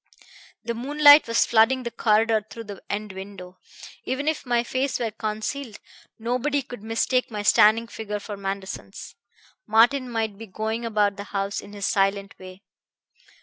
The moonlight was flooding the corridor through the end window. Even if my face were concealed, nobody could mistake my standing figure for Manderson's. Martin might be going about the house in his silent way.